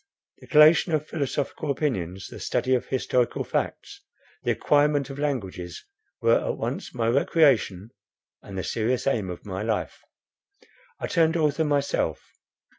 The collation of philosophical opinions, the study of historical facts, the acquirement of languages, were at once my recreation, and the serious aim of my life. I turned author myself.